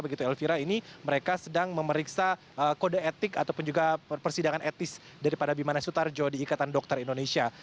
elvira ini mereka sedang memeriksa kode etik ataupun juga persidangan etis daripada bimanes sutarjo di ikatan dokter indonesia